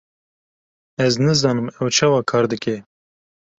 Ez nizanim ew çawa kar dike.